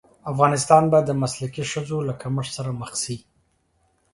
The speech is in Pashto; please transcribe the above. افغانستان به د مسلکي ښځو له کمښت سره مخ شي.